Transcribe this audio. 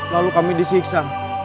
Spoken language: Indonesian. lalu kami disiksa